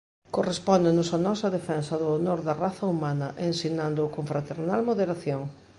Correspóndenos a nós a defensa do honor da raza humana, ensinándoo con fraternal moderación.